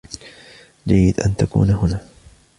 جيد أن تكون هنا.